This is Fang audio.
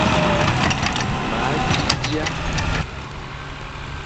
Ma zi dia.